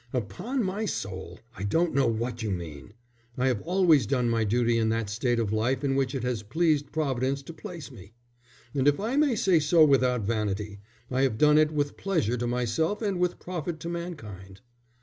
"Upon my soul, I don't know what you mean. I have always done my duty in that state of life in which it has pleased Providence to place me. And if I may say so without vanity, I have done it with pleasure to myself and with profit to mankind."